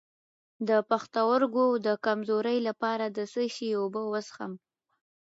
د پښتورګو د کمزوری لپاره د څه شي اوبه وڅښم؟